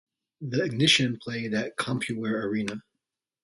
The Ignition played at Compuware Arena.